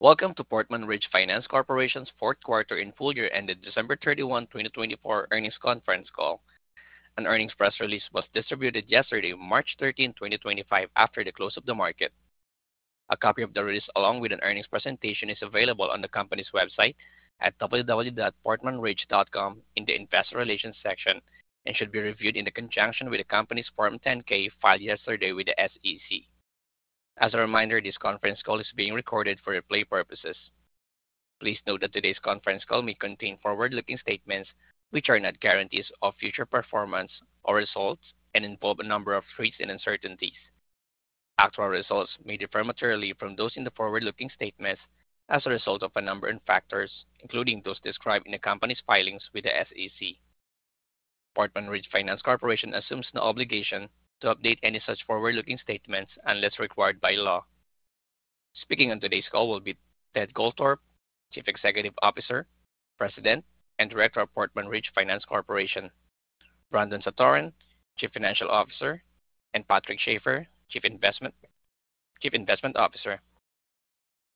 Welcome to Portman Ridge Finance Corporation's Fourth Quarter and Full-Year-Ended December 31, 2024 Earnings Conference Call. An earnings press release was distributed yesterday, March 13, 2025, after the close of the market. A copy of the release, along with an earnings presentation, is available on the company's website at www.portmanridge.com in the Investor Relations section and should be reviewed in conjunction with the company's Form 10-K filed yesterday with the SEC. As a reminder, this conference call is being recorded for replay purposes. Please note that today's conference call may contain forward-looking statements, which are not guarantees of future performance or results and involve a number of risks and uncertainties. Actual results may differ materially from those in the forward-looking statements as a result of a number of factors, including those described in the company's filings with the SEC. Portman Ridge Finance Corporation assumes no obligation to update any such forward-looking statements unless required by law. Speaking on today's call will be Ted Goldthorpe, Chief Executive Officer, President, and Director of Portman Ridge Finance Corporation; Brandon Satoren, Chief Financial Officer; and Patrick Schaefer, Chief Investment Officer.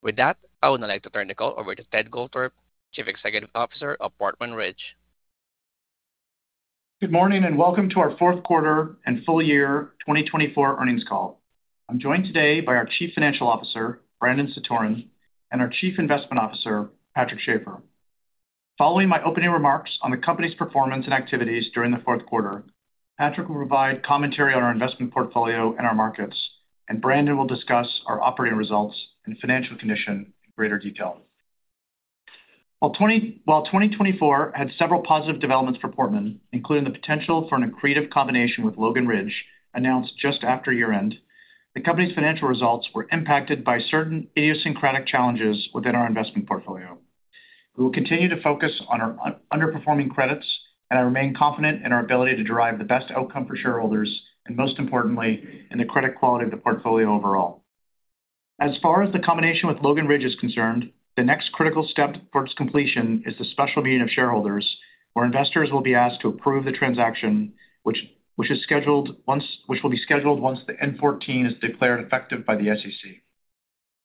With that, I would now like to turn the call over to Ted Goldthorpe, Chief Executive Officer of Portman Ridge. Good morning and welcome to our Fourth Quarter and Full-Year 2024 Earnings Call. I'm joined today by our Chief Financial Officer, Brandon Satoren, and our Chief Investment Officer, Patrick Schaefer. Following my opening remarks on the company's performance and activities during the fourth quarter, Patrick will provide commentary on our investment portfolio and our markets, and Brandon will discuss our operating results and financial condition in greater detail. While 2024 had several positive developments for Portman, including the potential for an accretive combination with Logan Ridge announced just after year-end, the company's financial results were impacted by certain idiosyncratic challenges within our investment portfolio. We will continue to focus on our underperforming credits and remain confident in our ability to derive the best outcome for shareholders and, most importantly, in the credit quality of the portfolio overall. As far as the combination with Logan Ridge is concerned, the next critical step towards completion is the special meeting of shareholders, where investors will be asked to approve the transaction, which will be scheduled once the N-14 is declared effective by the SEC.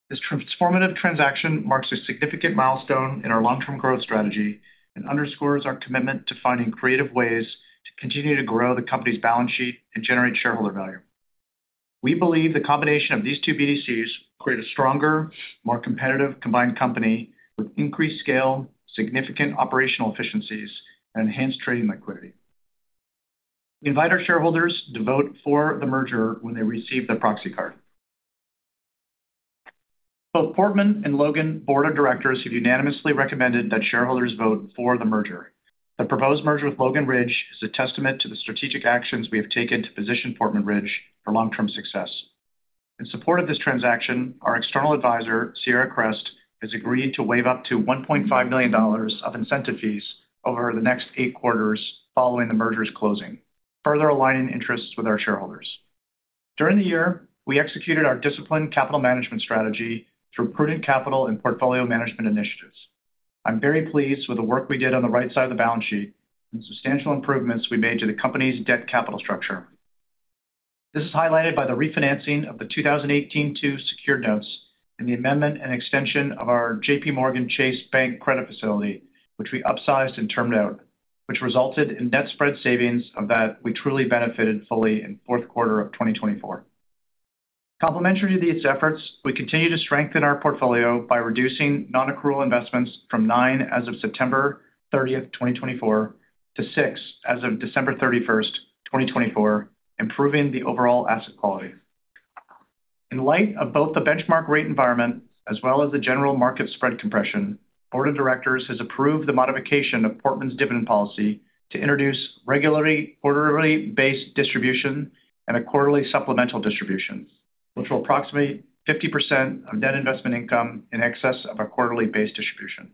This transformative transaction marks a significant milestone in our long-term growth strategy and underscores our commitment to finding creative ways to continue to grow the company's balance sheet and generate shareholder value. We believe the combination of these two BDCs will create a stronger, more competitive combined company with increased scale, significant operational efficiencies, and enhanced trading liquidity. We invite our shareholders to vote for the merger when they receive the proxy card. Both Portman and Logan Board of Directors have unanimously recommended that shareholders vote for the merger. The proposed merger with Logan Ridge is a testament to the strategic actions we have taken to position Portman Ridge for long-term success. In support of this transaction, our external advisor, Sierra Crest, has agreed to waive up to $1.5 million of incentive fees over the next eight quarters following the merger's closing, further aligning interests with our shareholders. During the year, we executed our disciplined capital management strategy through prudent capital and portfolio management initiatives. I'm very pleased with the work we did on the right side of the balance sheet and the substantial improvements we made to the company's debt capital structure. This is highlighted by the refinancing of the 2018-2 Secured Notes and the amendment and extension of our JPMorgan Chase Bank credit facility, which we upsized and termed out, which resulted in net spread savings that we truly benefited fully in the fourth quarter of 2024. Complimentary to these efforts, we continue to strengthen our portfolio by reducing non-accrual investments from nine as of September 30, 2024, to six as of December 31, 2024, improving the overall asset quality. In light of both the benchmark rate environment as well as the general market spread compression, the Board of Directors has approved the modification of Portman Ridge's dividend policy to introduce regular base distribution and a quarterly supplemental distribution, which will approximate 50% of net investment income in excess of a quarterly base distribution.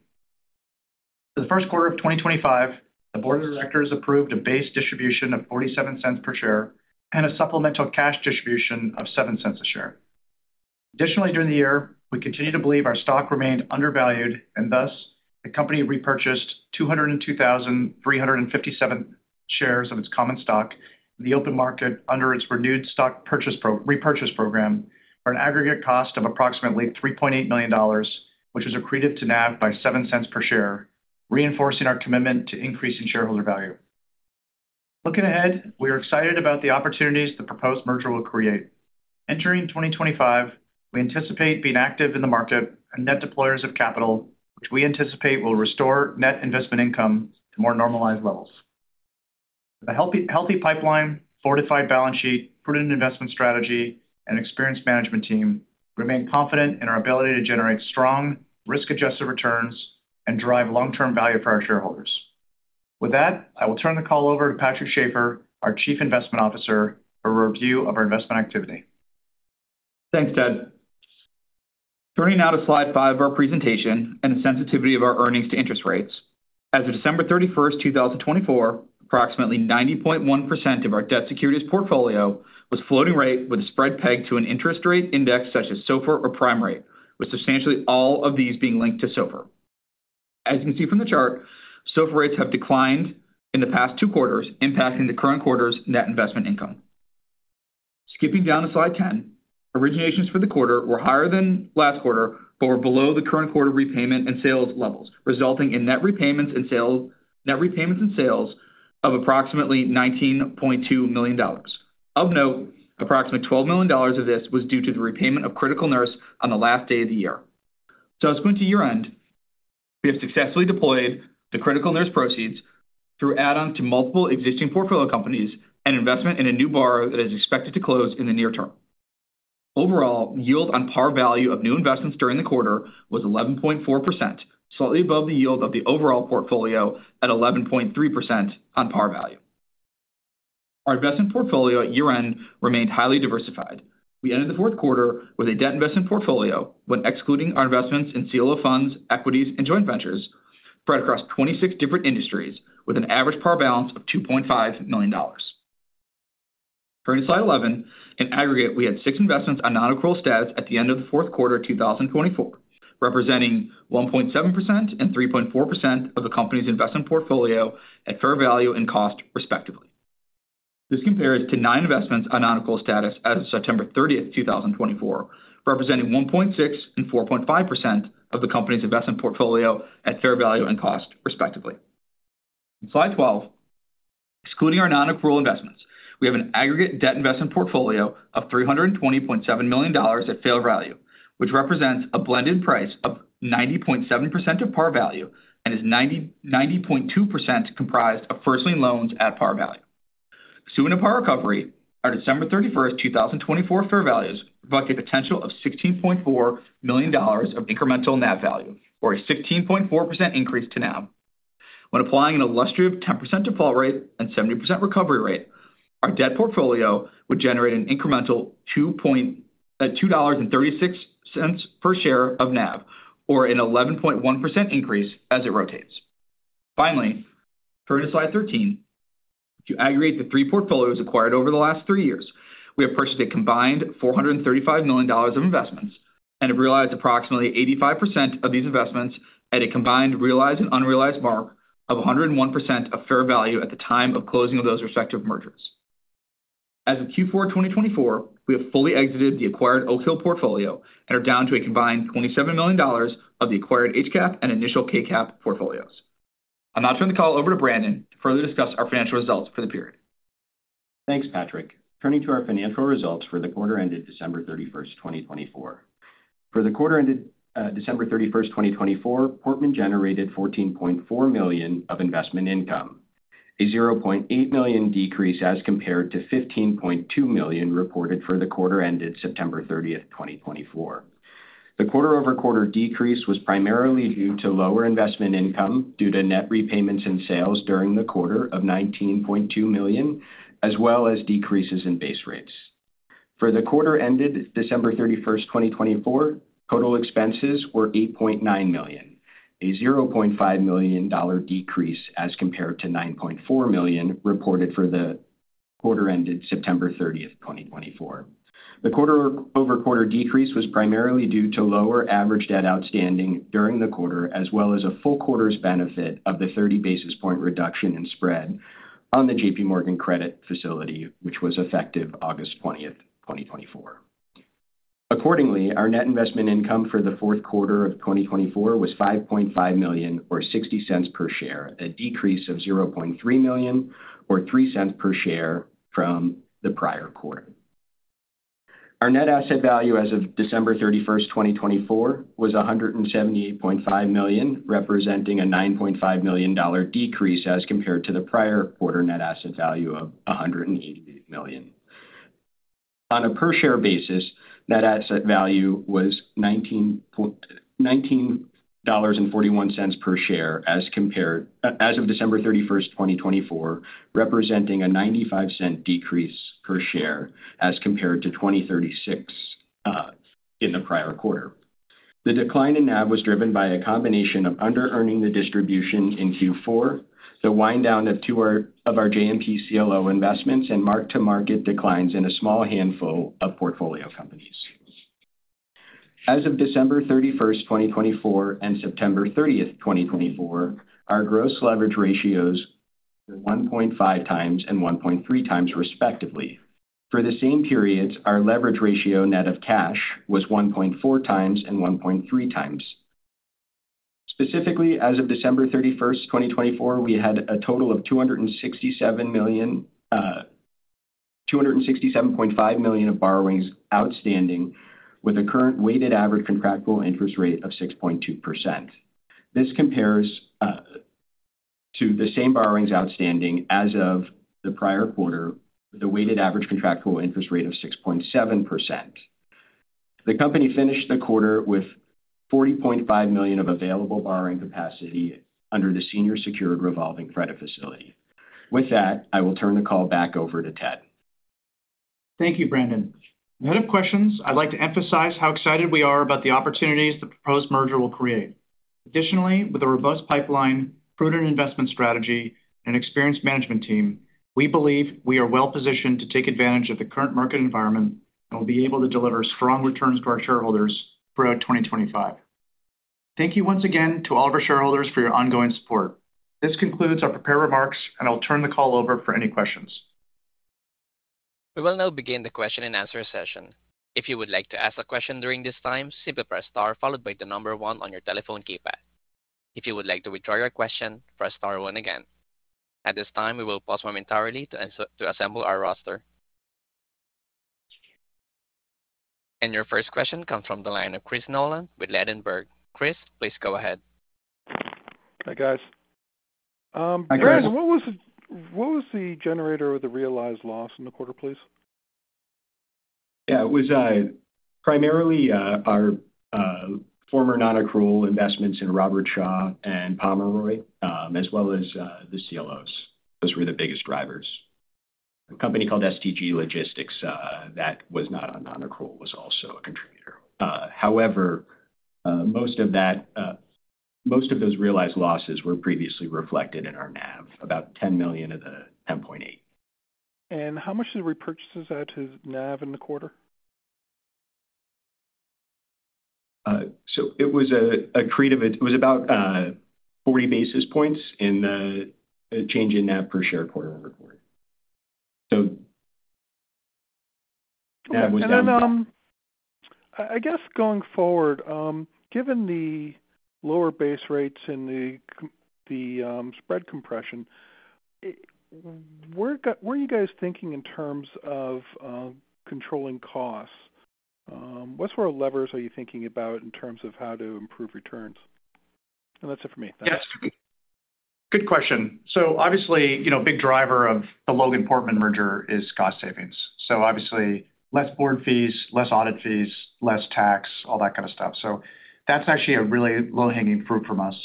For the first quarter of 2025, the Board of Directors approved a base distribution of $0.47 per share and a supplemental cash distribution of $0.07 a share. Additionally, during the year, we continue to believe our stock remained undervalued and thus the company repurchased 202,357 shares of its common stock in the open market under its renewed stock repurchase program for an aggregate cost of approximately $3.8 million, which was accretive to NAV by $0.07 per share, reinforcing our commitment to increasing shareholder value. Looking ahead, we are excited about the opportunities the proposed merger will create. Entering 2025, we anticipate being active in the market and net deployers of capital, which we anticipate will restore net investment income to more normalized levels. With a healthy pipeline, fortified balance sheet, prudent investment strategy, and an experienced management team, we remain confident in our ability to generate strong, risk-adjusted returns and drive long-term value for our shareholders. With that, I will turn the call over to Patrick Schaefer, our Chief Investment Officer, for a review of our investment activity. Thanks, Ted. Turning now to slide five of our presentation and the sensitivity of our earnings to interest rates. As of December 31, 2024, approximately 90.1% of our debt securities portfolio was floating rate with a spread pegged to an interest rate index such as SOFR or Prime Rate, with substantially all of these being linked to SOFR. As you can see from the chart, SOFR rates have declined in the past two quarters, impacting the current quarter's net investment income. Skipping down to slide 10, originations for the quarter were higher than last quarter but were below the current quarter repayment and sales levels, resulting in net repayments and sales of approximately $19.2 million. Of note, approximately $12 million of this was due to the repayment of Critical Nurse on the last day of the year. Subsequent to year-end, we have successfully deployed the Critical Nurse proceeds through add-ons to multiple existing portfolio companies and investment in a new borrower that is expected to close in the near term. Overall, yield on par value of new investments during the quarter was 11.4%, slightly above the yield of the overall portfolio at 11.3% on par value. Our investment portfolio at year-end remained highly diversified. We ended the fourth quarter with a debt investment portfolio, when excluding our investments in CLO funds, equities, and joint ventures, spread across 26 different industries, with an average par balance of $2.5 million. Turning to slide 11, in aggregate, we had six investments on non-accrual status at the end of the fourth quarter of 2024, representing 1.7% and 3.4% of the company's investment portfolio at fair value and cost, respectively. This compares to nine investments on non-accrual status as of September 30, 2024, representing 1.6% and 4.5% of the company's investment portfolio at fair value and cost, respectively. Slide 12, excluding our non-accrual investments, we have an aggregate debt investment portfolio of $320.7 million at fair value, which represents a blended price of 90.7% of par value and is 90.2% comprised of first-lien loans at par value. Assuming a par recovery, our December 31, 2024, fair values reflect a potential of $16.4 million of incremental net value, or a 16.4% increase to NAV. When applying an illustrative 10% default rate and 70% recovery rate, our debt portfolio would generate an incremental $2.36 per share of NAV, or an 11.1% increase as it rotates. Finally, turning to slide 13, to aggregate the three portfolios acquired over the last three years, we have purchased a combined $435 million of investments and have realized approximately 85% of these investments at a combined realized and unrealized mark of 101% of fair value at the time of closing of those respective mergers. As of Q4 2024, we have fully exited the acquired Oak Hill portfolio and are down to a combined $27 million of the acquired HCAP and initial KCAP portfolios. I'll now turn the call over to Brandon to further discuss our financial results for the period. Thanks, Patrick. Turning to our financial results for the quarter ended December 31, 2024. For the quarter ended December 31, 2024, Portman generated $14.4 million of investment income, a $0.8 million decrease as compared to $15.2 million reported for the quarter ended September 30, 2024. The quarter-over-quarter decrease was primarily due to lower investment income due to net repayments and sales during the quarter of $19.2 million, as well as decreases in base rates. For the quarter ended December 31, 2024, total expenses were $8.9 million, a $0.5 million decrease as compared to $9.4 million reported for the quarter ended September 30, 2024. The quarter-over-quarter decrease was primarily due to lower average debt outstanding during the quarter, as well as a full quarter's benefit of the 30 basis point reduction in spread on the J.P. Morgan Chase Bank Credit Facility, which was effective August 20, 2024. Accordingly, our net investment income for the fourth quarter of 2024 was $5.5 million, or $0.60 per share, a decrease of $0.3 million, or $0.03 per share from the prior quarter. Our net asset value as of December 31, 2024, was $178.5 million, representing a $9.5 million decrease as compared to the prior quarter net asset value of $188 million. On a per-share basis, net asset value was $19.41 per share as compared to December 31, 2024, representing a $0.95 decrease per share as compared to $20.36 in the prior quarter. The decline in NAV was driven by a combination of under-earning the distribution in Q4, the wind down of our JMP CLO investments, and mark-to-market declines in a small handful of portfolio companies. As of December 31, 2024, and September 30, 2024, our gross leverage ratios were 1.5 times and 1.3 times, respectively. For the same periods, our leverage ratio net of cash was 1.4 times and 1.3 times. Specifically, as of December 31, 2024, we had a total of $267.5 million of borrowings outstanding, with a current weighted average contractual interest rate of 6.2%. This compares to the same borrowings outstanding as of the prior quarter, with a weighted average contractual interest rate of 6.7%. The company finished the quarter with $40.5 million of available borrowing capacity under the senior secured revolving credit facility. With that, I will turn the call back over to Ted. Thank you, Brandon. Ahead of questions, I'd like to emphasize how excited we are about the opportunities the proposed merger will create. Additionally, with a robust pipeline, prudent investment strategy, and an experienced management team, we believe we are well-positioned to take advantage of the current market environment and will be able to deliver strong returns to our shareholders throughout 2025. Thank you once again to all of our shareholders for your ongoing support. This concludes our prepared remarks, and I'll turn the call over for any questions. We will now begin the question and answer session. If you would like to ask a question during this time, simply press star followed by the number one on your telephone keypad. If you would like to withdraw your question, press star one again. At this time, we will pause momentarily to assemble our roster. Your first question comes from the line of Chris Nolan with Ladenburg. Chris, please go ahead. `Hi, guys. What was the generator with the realized loss in the quarter, please? Yeah, it was primarily our former non-accrual investments in Robertshaw and Pomeroy, as well as the CLOs. Those were the biggest drivers. A company called STG Logistics that was not on non-accrual was also a contributor. However, most of those realized losses were previously reflected in our NAV, about $10 million of the $10.8 million. How much did the repurchases add to NAV in the quarter? It was a creative, it was about 40 basis points in the change in NAV per share quarter-over-quarter. I guess, going forward, given the lower base rates and the spread compression, what are you guys thinking in terms of controlling costs? What sort of levers are you thinking about in terms of how to improve returns? That's it for me. Yes. Good question. Obviously, a big driver of the Logan-Portman merger is cost savings. Obviously, less board fees, less audit fees, less tax, all that kind of stuff. That is actually a really low-hanging fruit from us.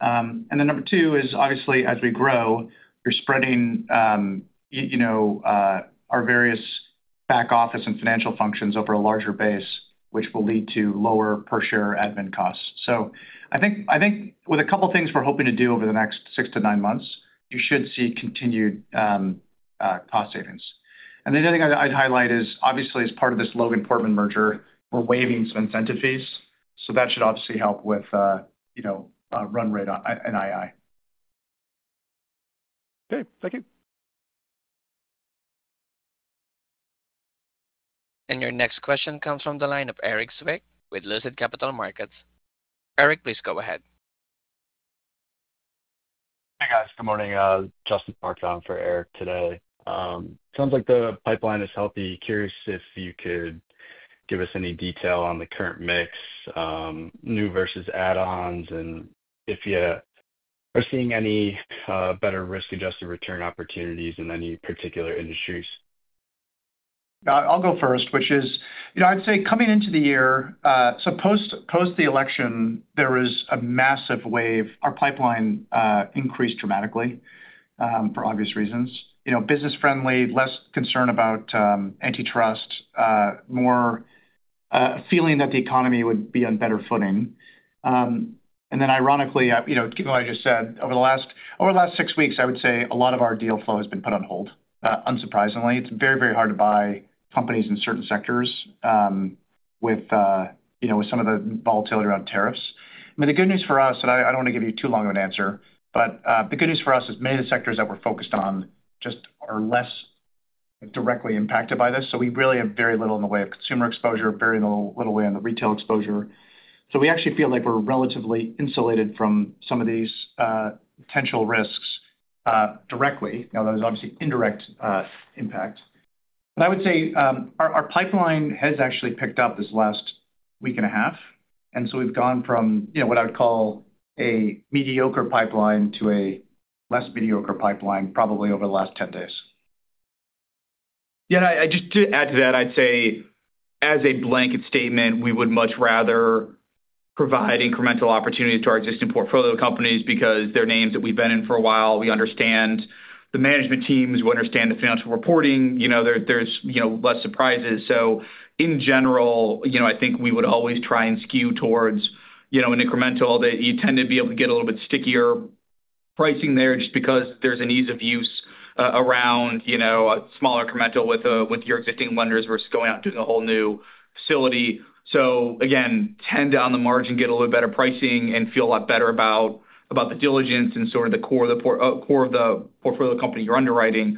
Number two is, obviously, as we grow, we are spreading our various back office and financial functions over a larger base, which will lead to lower per-share admin costs. I think with a couple of things we are hoping to do over the next six to nine months, you should see continued cost savings. The other thing I would highlight is, obviously, as part of this Logan-Portman merger, we are waiving some incentive fees. That should obviously help with run rate and NII. Okay. Thank you. Your next question comes from the line of Erik Zwick with Lucid Capital Markets. Erik, please go ahead. Hey, guys. Good morning. Justin Marca for Erik today. Sounds like the pipeline is healthy. Curious if you could give us any detail on the current mix, new versus add-ons, and if you are seeing any better risk-adjusted return opportunities in any particular industries. I'll go first, which is, I'd say coming into the year, so post the election, there was a massive wave. Our pipeline increased dramatically for obvious reasons. Business-friendly, less concern about antitrust, more a feeling that the economy would be on better footing. Ironically, given what I just said, over the last six weeks, I would say a lot of our deal flow has been put on hold, unsurprisingly. It's very, very hard to buy companies in certain sectors with some of the volatility around tariffs. I mean, the good news for us, and I don't want to give you too long of an answer, but the good news for us is many of the sectors that we're focused on just are less directly impacted by this. We really have very little in the way of consumer exposure, very little way in the retail exposure. We actually feel like we're relatively insulated from some of these potential risks directly, although there's obviously indirect impact. I would say our pipeline has actually picked up this last week and a half. We've gone from what I would call a mediocre pipeline to a less mediocre pipeline, probably over the last 10 days. Just to add to that, I'd say, as a blanket statement, we would much rather provide incremental opportunities to our existing portfolio companies because they're names that we've been in for a while. We understand the management teams. We understand the financial reporting. There's less surprises. In general, I think we would always try and skew towards an incremental. You tend to be able to get a little bit stickier pricing there just because there's an ease of use around a smaller incremental with your existing lenders versus going out and doing a whole new facility. Again, tend on the margin, get a little bit better pricing, and feel a lot better about the diligence and sort of the core of the portfolio company you're underwriting.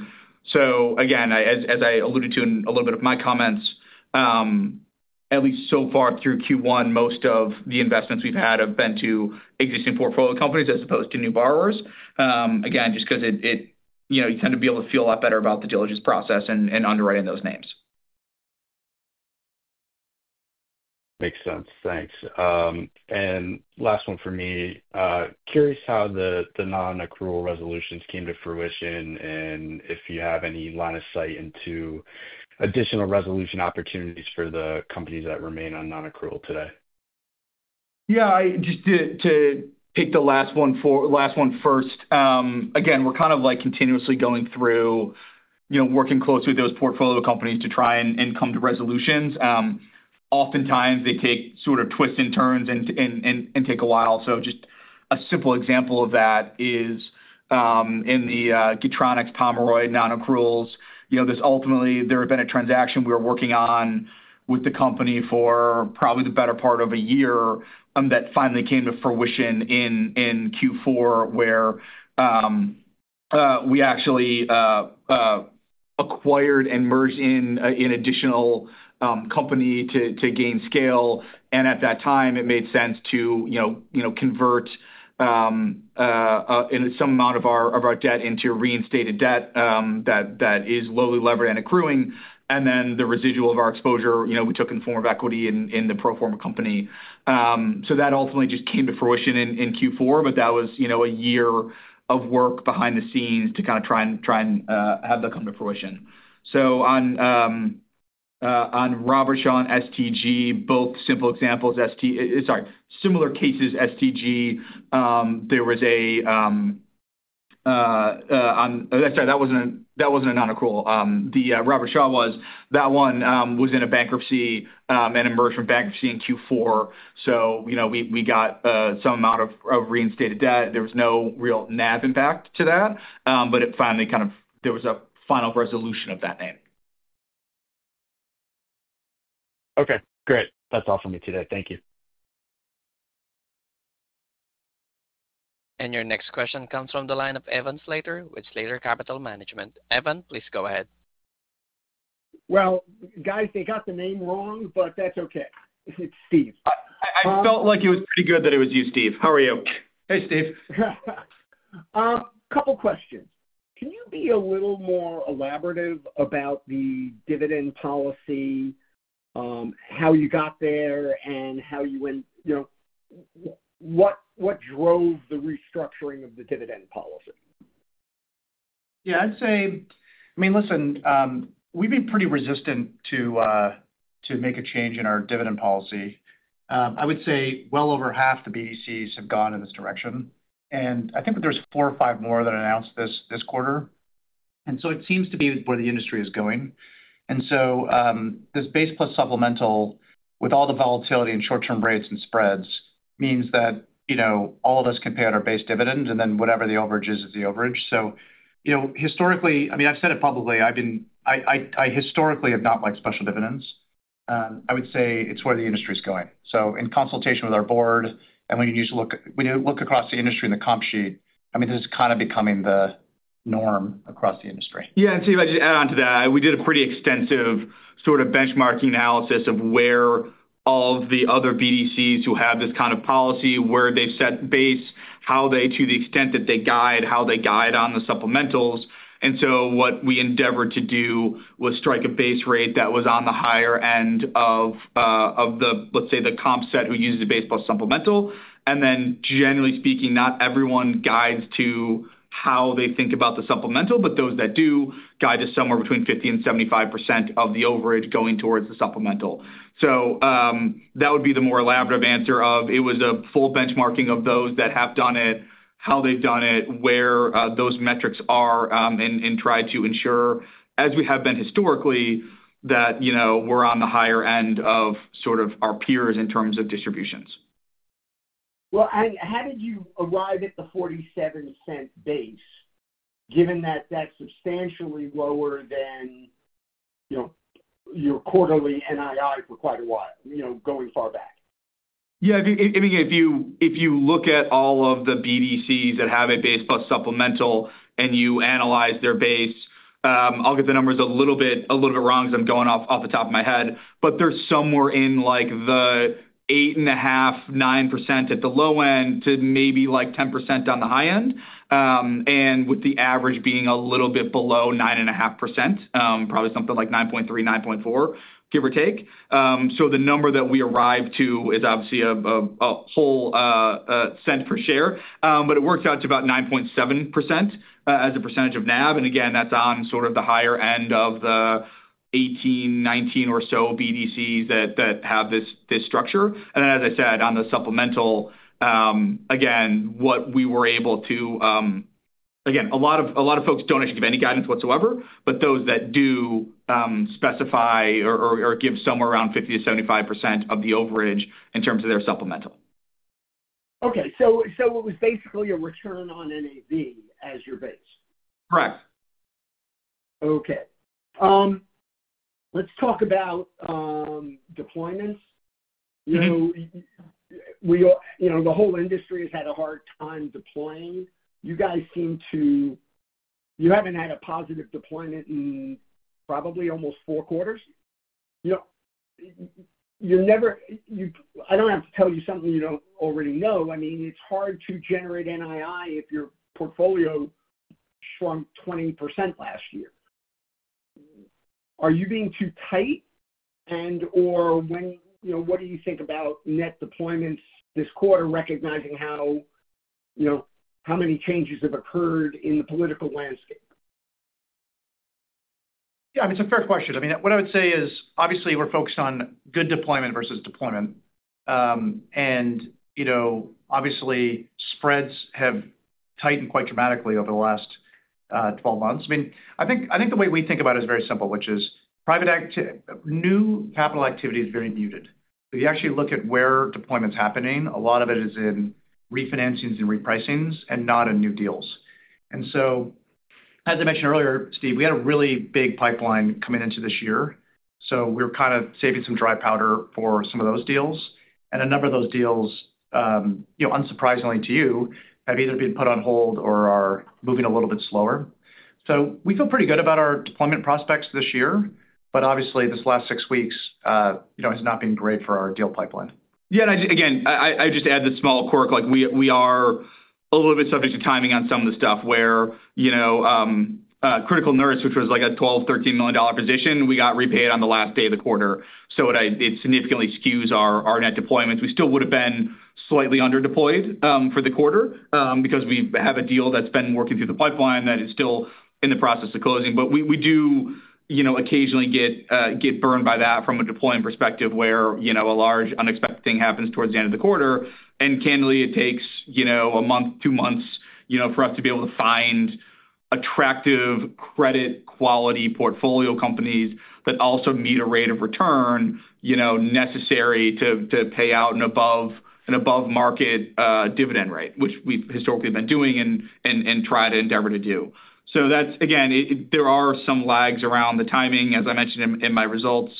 As I alluded to in a little bit of my comments, at least so far through Q1, most of the investments we've had have been to existing portfolio companies as opposed to new borrowers, just because you tend to be able to feel a lot better about the diligence process and underwriting those names. Makes sense. Thanks. Last one for me. Curious how the non-accrual resolutions came to fruition and if you have any line of sight into additional resolution opportunities for the companies that remain on non-accrual today. Yeah, just to take the last one first. Again, we're kind of continuously going through, working closely with those portfolio companies to try and come to resolutions. Oftentimes, they take sort of twists and turns and take a while. Just a simple example of that is in the Getronics, Pomeroy, non-accruals. Ultimately, there had been a transaction we were working on with the company for probably the better part of a year that finally came to fruition in Q4, where we actually acquired and merged in an additional company to gain scale. At that time, it made sense to convert some amount of our debt into reinstated debt that is lowly leveraged and accruing. Then the residual of our exposure, we took in the form of equity in the pro forma company. That ultimately just came to fruition in Q4, but that was a year of work behind the scenes to kind of try and have that come to fruition. On Robertshaw and STG, both similar cases, STG, that was not a non-accrual. The Robertshaw was, that one was in a bankruptcy and emerged from bankruptcy in Q4. We got some amount of reinstated debt. There was no real NAV impact to that, but it finally kind of, there was a final resolution of that name. Okay. Great. That's all for me today. Thank you. Your next question comes from the line of Evan Slater with Slater Capital Management. Evan, please go ahead. Guys, they got the name wrong, but that's okay. It's Steve. I felt like it was pretty good that it was you, Steve. How are you? Hey, Steve. Couple of questions. Can you be a little more elaborative about the dividend policy, how you got there, and how you went—what drove the restructuring of the dividend policy? Yeah, I'd say, I mean, listen, we've been pretty resistant to make a change in our dividend policy. I would say well over half the BDCs have gone in this direction. I think that there's four or five more that announced this quarter. It seems to be where the industry is going. This base plus supplemental, with all the volatility and short-term rates and spreads, means that all of us can pay out our base dividend, and then whatever the overage is, is the overage. Historically, I mean, I've said it publicly. I historically have not liked special dividends. I would say it's where the industry is going. In consultation with our board, and when you look across the industry in the comp sheet, I mean, this is kind of becoming the norm across the industry. Yeah, and I'd just add on to that. We did a pretty extensive sort of benchmarking analysis of where all of the other BDCs who have this kind of policy, where they've set base, how they, to the extent that they guide, how they guide on the supplementals. What we endeavored to do was strike a base rate that was on the higher end of the, let's say, the comp set who uses the base plus supplemental. Then, generally speaking, not everyone guides to how they think about the supplemental, but those that do guide to somewhere between 50% and 75% of the overage going towards the supplemental. That would be the more elaborate answer of it was a full benchmarking of those that have done it, how they've done it, where those metrics are, and try to ensure, as we have been historically, that we're on the higher end of sort of our peers in terms of distributions. How did you arrive at the $0.47 base given that that's substantially lower than your quarterly NII for quite a while, going far back? I mean, if you look at all of the BDCs that have a base plus supplemental and you analyze their base, I'll get the numbers a little bit wrong because I'm going off the top of my head, but they're somewhere in the 8.5%-9% at the low end to maybe 10% on the high end. With the average being a little bit below 9.5%, probably something like 9.3%, 9.4%, give or take. The number that we arrived to is obviously a whole cent per share, but it works out to about 9.7% as a percentage of NAV. Again, that's on sort of the higher end of the 18-19 or so BDCs that have this structure. As I said, on the supplemental, what we were able to—a lot of folks do not actually give any guidance whatsoever, but those that do specify or give somewhere around 50-75% of the overage in terms of their supplemental. Okay. It was basically a return on NAV as your base? Correct. Okay. Let's talk about deployments. The whole industry has had a hard time deploying. You guys seem to—you haven't had a positive deployment in probably almost four quarters. I don't have to tell you something you don't already know. I mean, it's hard to generate NII if your portfolio shrunk 20% last year. Are you being too tight? And/or what do you think about net deployments this quarter, recognizing how many changes have occurred in the political landscape? Yeah, I mean, it's a fair question. I mean, what I would say is, obviously, we're focused on good deployment versus deployment. Obviously, spreads have tightened quite dramatically over the last 12 months. I mean, I think the way we think about it is very simple, which is new capital activity is very muted. If you actually look at where deployment's happening, a lot of it is in refinancings and repricings and not in new deals. As I mentioned earlier, Steve, we had a really big pipeline coming into this year. We are kind of saving some dry powder for some of those deals. A number of those deals, unsurprisingly to you, have either been put on hold or are moving a little bit slower. We feel pretty good about our deployment prospects this year, but obviously, this last six weeks has not been great for our deal pipeline. I would just add the small quirk. We are a little bit subject to timing on some of the stuff where Critical Nurse, which was like a $12 million-$13 million position, we got repaid on the last day of the quarter. It significantly skews our net deployments. We still would have been slightly underdeployed for the quarter because we have a deal that's been working through the pipeline that is still in the process of closing. We do occasionally get burned by that from a deployment perspective where a large unexpected thing happens towards the end of the quarter. Candidly, it takes a month, two months for us to be able to find attractive credit-quality portfolio companies that also meet a rate of return necessary to pay out an above-market dividend rate, which we've historically been doing and try to endeavor to do. There are some lags around the timing, as I mentioned in my results.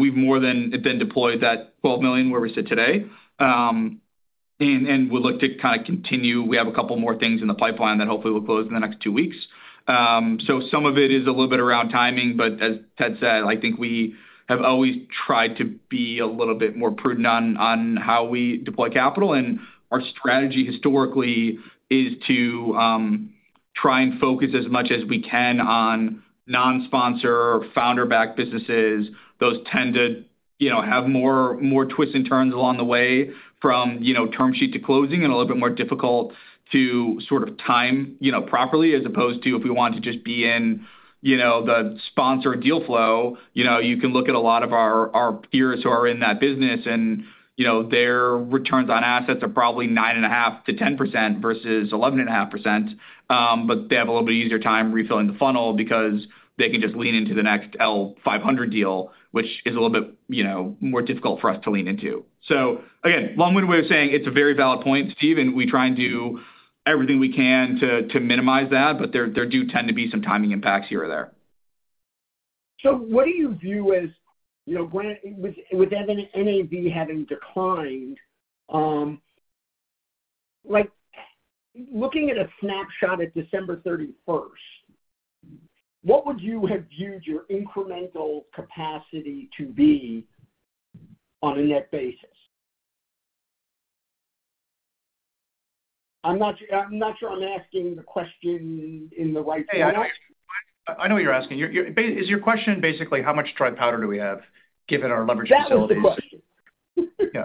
We've more than deployed that $12 million where we sit today. We'll look to kind of continue. We have a couple more things in the pipeline that hopefully will close in the next two weeks. Some of it is a little bit around timing, but as Ted said, I think we have always tried to be a little bit more prudent on how we deploy capital. Our strategy historically is to try and focus as much as we can on non-sponsor founder-backed businesses. Those tend to have more twists and turns along the way from term sheet to closing and a little bit more difficult to sort of time properly as opposed to if we want to just be in the sponsor deal flow. You can look at a lot of our peers who are in that business, and their returns on assets are probably 9.5-10% versus 11.5%. They have a little bit easier time refilling the funnel because they can just lean into the next L+500 deal, which is a little bit more difficult for us to lean into. Again, long-winded way of saying, it's a very valid point, Steve, and we try and do everything we can to minimize that, but there do tend to be some timing impacts here or there. What do you view as, with NAV having declined, looking at a snapshot at December 31, what would you have viewed your incremental capacity to be on a net basis? I'm not sure I'm asking the question in the right way. I know what you're asking. Is your question basically how much dry powder do we have given our leverage facility? That's the question. Yeah.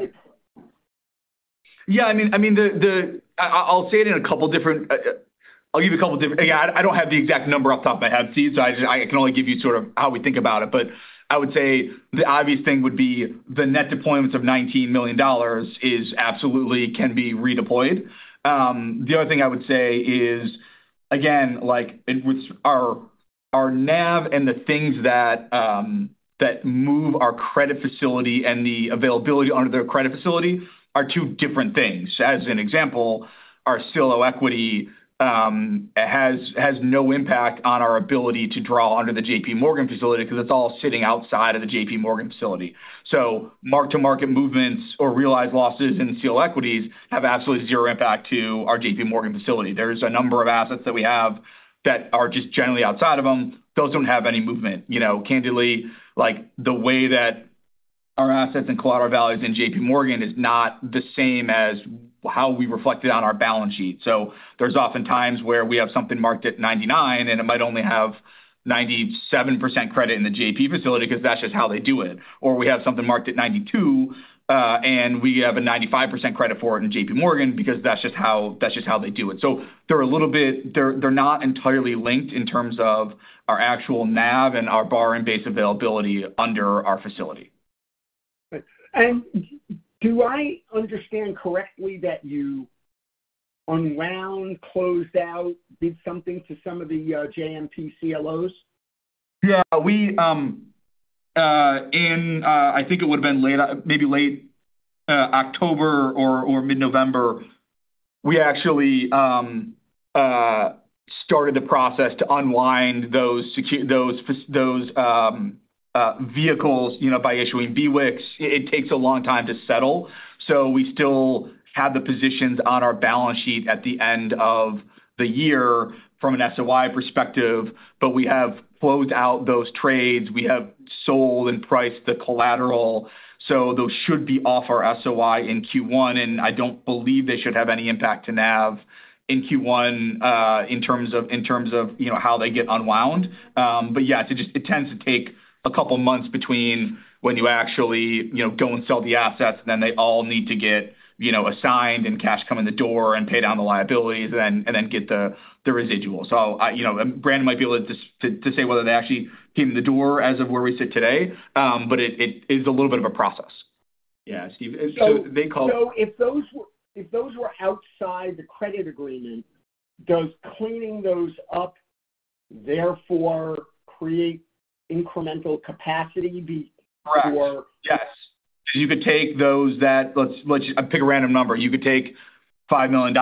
Yeah, I mean, I'll say it in a couple different—I’ll give you a couple different—yeah, I don't have the exact number off the top of my head, Steve, so I can only give you sort of how we think about it. I would say the obvious thing would be the net deployments of $19 million can be redeployed. The other thing I would say is, again, our NAV and the things that move our credit facility and the availability under the credit facility are two different things. As an example, our CLO equity has no impact on our ability to draw under the J.P. Morgan facility because it's all sitting outside of the J.P. Morgan facility. Mark-to-market movements or realized losses in CLO equities have absolutely zero impact to our J.P. Morgan facility. There's a number of assets that we have that are just generally outside of them. Those do not have any movement. Candidly, the way that our assets and collateral values in J.P. Morgan is not the same as how we reflect it on our balance sheet. There are oftentimes where we have something marked at 99, and it might only have 97% credit in the J.P. facility because that is just how they do it. Or we have something marked at 92, and we have a 95% credit for it in J.P. Morgan because that is just how they do it. They are a little bit—they are not entirely linked in terms of our actual NAV and our borrowing-based availability under our facility. Do I understand correctly that you unwound, closed out, did something to some of the JMP CLOs? Yeah. In, I think it would have been maybe late October or mid-November, we actually started the process to unwind those vehicles by issuing BWICs. It takes a long time to settle. We still have the positions on our balance sheet at the end of the year from an SOI perspective, but we have closed out those trades. We have sold and priced the collateral. Those should be off our SOI in Q1, and I do not believe they should have any impact to NAV in Q1 in terms of how they get unwound. Yeah, it tends to take a couple of months between when you actually go and sell the assets, and then they all need to get assigned and cash come in the door and pay down the liabilities and then get the residual. Brandon might be able to say whether they actually came in the door as of where we sit today, but it is a little bit of a process. Yeah, Steve. If those were outside the credit agreement, does cleaning those up therefore create incremental capacity for—correct. Yes. You could take those that—let's pick a random number. You could take $5 million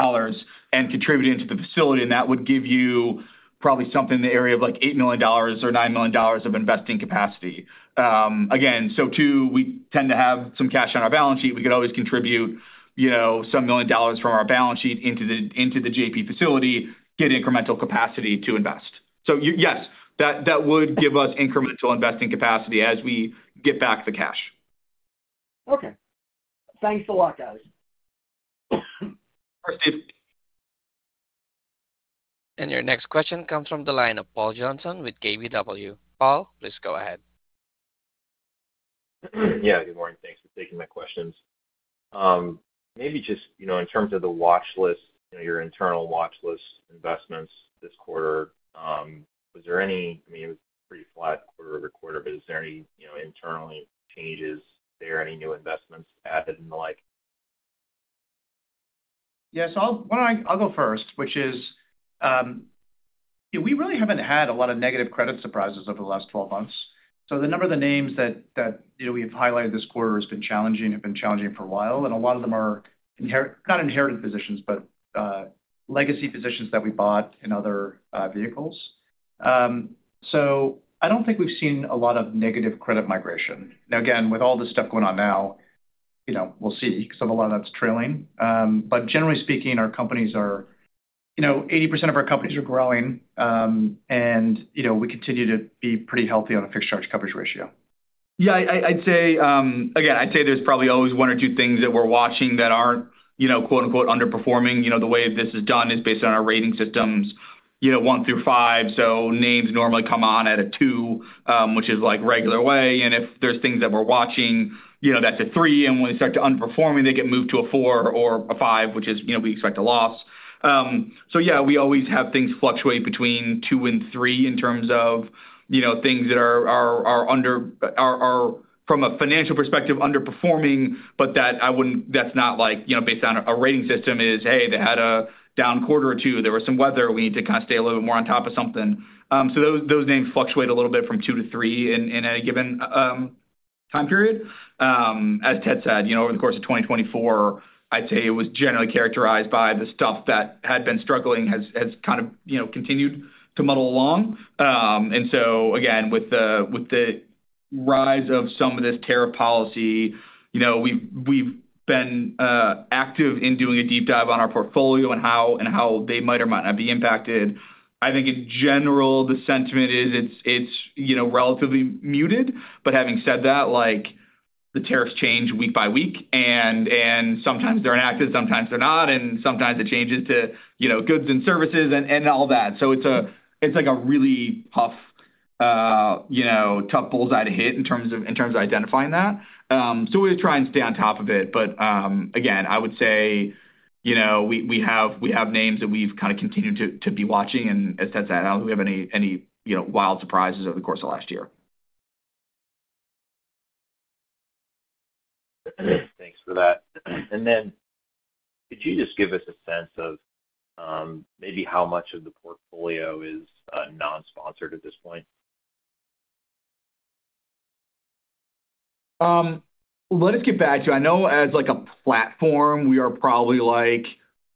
and contribute into the facility, and that would give you probably something in the area of like $8 million or $9 million of investing capacity. Again, too, we tend to have some cash on our balance sheet. We could always contribute some million dollars from our balance sheet into the JP facility, get incremental capacity to invest. Yes, that would give us incremental investing capacity as we get back the cash. Okay. Thanks a lot, guys. Your next question comes from the line of Paul Johnson with KBW. Paul, please go ahead. Yeah, good morning. Thanks for taking my questions. Maybe just in terms of the watchlist, your internal watchlist investments this quarter, was there any—I mean, it was pretty flat quarter-over-quarter, but is there any internal changes there? Any new investments added and the like? Yeah. I'll go first, which is we really haven't had a lot of negative credit surprises over the last 12 months. The number of the names that we have highlighted this quarter has been challenging, have been challenging for a while. A lot of them are not inherited positions, but legacy positions that we bought in other vehicles. I don't think we've seen a lot of negative credit migration. Now, again, with all the stuff going on now, we'll see because a lot of that's trailing. Generally speaking, our companies are—80% of our companies are growing, and we continue to be pretty healthy on a fixed charge coverage ratio. Yeah. I'd say, again, I'd say there's probably always one or two things that we're watching that aren't "underperforming." The way this is done is based on our rating systems, one through five. Names normally come on at a two, which is like regular way. If there's things that we're watching, that's a three. When they start to underperform, they get moved to a four or a five, which is we expect a loss. Yeah, we always have things fluctuate between two and three in terms of things that are from a financial perspective underperforming, but that's not based on a rating system. It is, "Hey, they had a down quarter or two. There was some weather. We need to kind of stay a little bit more on top of something." Those names fluctuate a little bit from two to three in a given time period. As Ted said, over the course of 2024, I'd say it was generally characterized by the stuff that had been struggling has kind of continued to muddle along. Again, with the rise of some of this tariff policy, we've been active in doing a deep dive on our portfolio and how they might or might not be impacted. I think in general, the sentiment is it's relatively muted. Having said that, the tariffs change week by week, and sometimes they're enacted, sometimes they're not, and sometimes it changes to goods and services and all that. It's like a really tough bull's-eye to hit in terms of identifying that. We try and stay on top of it. Again, I would say we have names that we've kind of continued to be watching. As Ted said, I don't think we have any wild surprises over the course of last year. Thanks for that. Could you just give us a sense of maybe how much of the portfolio is non-sponsored at this point? Let us get back to it. I know as a platform, we are probably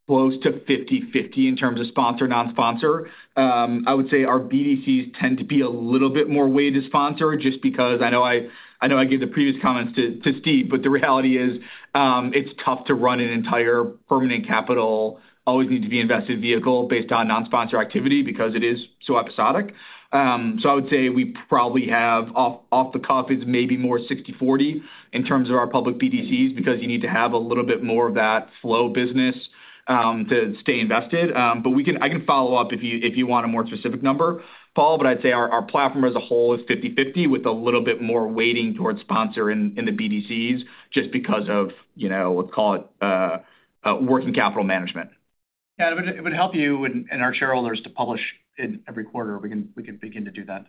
close to 50/50 in terms of sponsor-non-sponsor. I would say our BDCs tend to be a little bit more weighted to sponsor just because I know I gave the previous comments to Steve, but the reality is it's tough to run an entire permanent capital, always need to be invested vehicle based on non-sponsor activity because it is so episodic. I would say we probably have off the cuff is maybe more 60/40 in terms of our public BDCs because you need to have a little bit more of that flow business to stay invested. I can follow up if you want a more specific number, Paul, but I'd say our platform as a whole is 50/50 with a little bit more weighting towards sponsor in the BDCs just because of, let's call it, working capital management. Yeah. It would help you and our shareholders to publish it every quarter. We can begin to do that.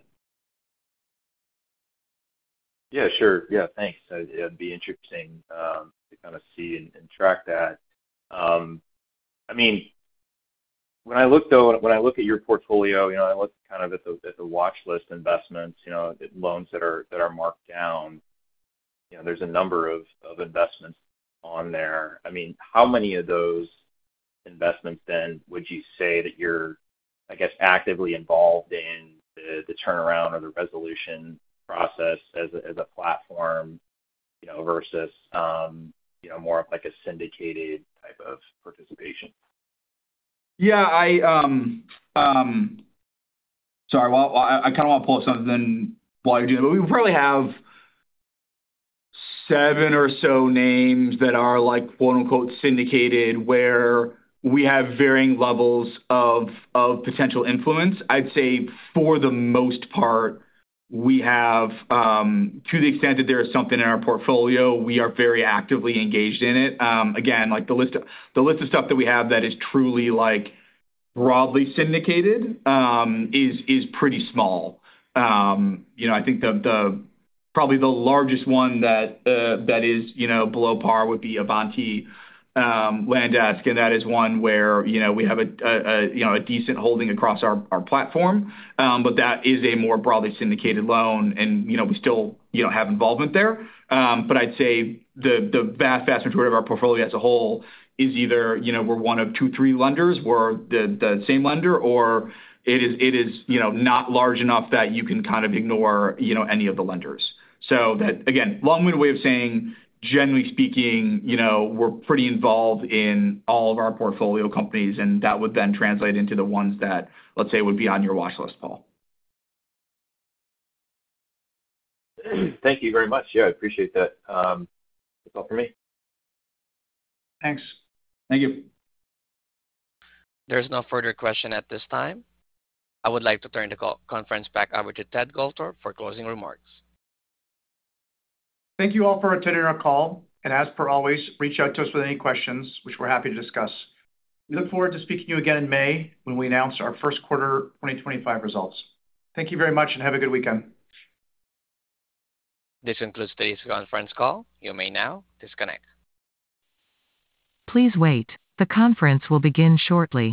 Yeah, sure. Yeah. Thanks. That'd be interesting to kind of see and track that. I mean, when I look at your portfolio, I look kind of at the watchlist investments, loans that are marked down. There's a number of investments on there. I mean, how many of those investments then would you say that you're, I guess, actively involved in the turnaround or the resolution process as a platform versus more of like a syndicated type of participation? Yeah. Sorry. I kind of want to pull up something while you do that. We probably have seven or so names that are "syndicated" where we have varying levels of potential influence. I'd say for the most part, we have, to the extent that there is something in our portfolio, we are very actively engaged in it. Again, the list of stuff that we have that is truly broadly syndicated is pretty small. I think probably the largest one that is below par would be Ivanti Landesk, and that is one where we have a decent holding across our platform, but that is a more broadly syndicated loan, and we still have involvement there. I'd say the vast majority of our portfolio as a whole is either we're one of two, three lenders or the same lender, or it is not large enough that you can kind of ignore any of the lenders. Again, long-winded way of saying, generally speaking, we're pretty involved in all of our portfolio companies, and that would then translate into the ones that, let's say, would be on your watchlist, Paul. Thank you very much. Yeah, I appreciate that. That's all for me. Thanks. Thank you. is no further question at this time. I would like to turn the conference back over to Ted Goldthorpe for closing remarks. Thank you all for attending our call. As per always, reach out to us with any questions, which we are happy to discuss. We look forward to speaking to you again in May when we announce our first quarter 2025 results. Thank you very much, and have a good weekend. This concludes today's conference call. You may now disconnect. Please wait. The conference will begin shortly.